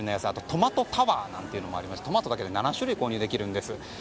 トマトタワーなんていうのもありトマトだけで７種類、購入できるんです。